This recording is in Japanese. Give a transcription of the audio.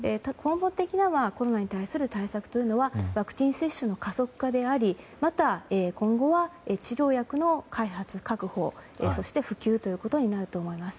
コロナに対する対策というのはワクチン接種の加速化でありまた今後は治療薬の開発、確保そして普及ということになると思います。